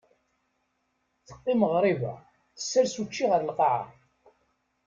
Teqim ɣriba, tessers učči ɣer lqaɛa.